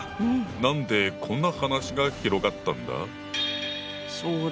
何でこんな話が広がったんだ？